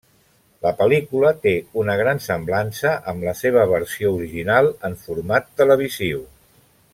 La pel·lícula té una gran semblança amb la seva versió original en format televisiu.